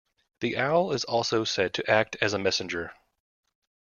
The owl is also said to act as a messenger.